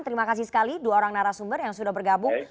terima kasih sekali dua orang narasumber yang sudah bergabung